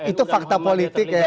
itu fakta politik ya